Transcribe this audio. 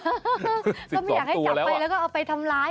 ก็ไม่อยากให้จับไปแล้วก็เอาไปทำร้าย